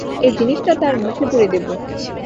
এই জিনিসটা তার মুখে পুরে দেবো।